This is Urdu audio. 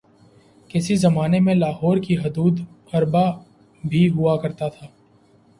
کسی زمانے میں لاہور کا حدوداربعہ بھی ہوا کرتا تھا